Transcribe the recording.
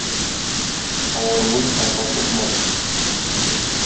Авыруын санга сукмады